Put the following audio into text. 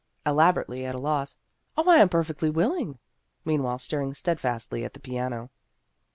Elaborately at a loss, " Oh, I am per fectly willing !" meanwhile staring stead fastly at the piano.